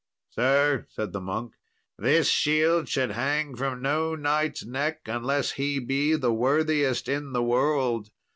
"Sir," said the monk, "this shield should hang from no knight's neck unless he be the worthiest in the world.